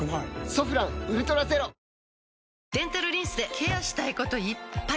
「ソフランウルトラゼロ」デンタルリンスでケアしたいこといっぱい！